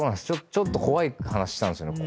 ちょっと怖い話したんですよね。